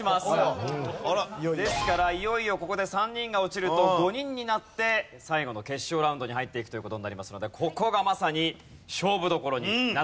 ですからいよいよここで３人が落ちると５人になって最後の決勝ラウンドに入っていくという事になりますのでここがまさに勝負どころになってきます。